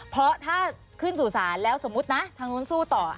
เพราะถ้าขึ้นสู่ศาลแล้วสมมุตินะทางนู้นสู้ต่อ